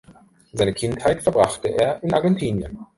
Seine Kindheit verbrachte er in Argentinien.